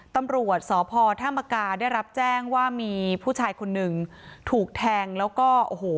ตำรวจสพธามกาได้รับแจ้งว่ามีผู้ชายคนหนึ่งถูกแทงแล้วก็โอ้โห